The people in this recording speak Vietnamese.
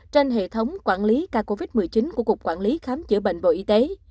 trên hệ thống quản lý ca covid một mươi chín của cục quản lý khám chữa bệnh bộ y tế